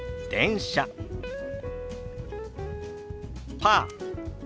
「パー」。